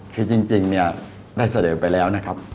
คือจริงได้เสดอไปแล้วนะครับ